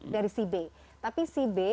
dari si b tapi si b